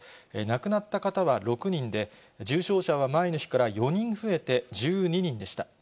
亡くなった方は６人で、重症者は前の日から４人増えて１２人でした。